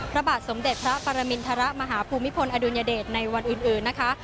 พระบาทสมเด็จพระปรมินทรมาฮภูมิพลอดุลยเดชในวันอื่นนะคะ